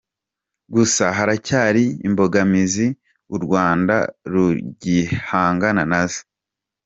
Gusa haracyari imbogamizi u Rwanda rugihangana nazo.